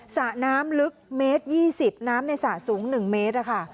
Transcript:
สระน้ำลึกเมตรยี่สิบน้ำในสระสูงหนึ่งเมตรค่ะ